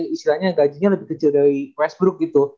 istilahnya gajinya lebih kecil dari westbrook gitu